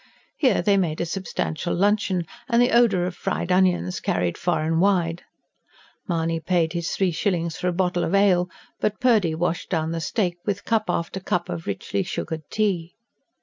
Here they made a substantial luncheon; and the odour of fried onions carried far and wide. Mahony paid his three shillings for a bottle of ale; but Purdy washed down the steak with cup after cup of richly sugared tea.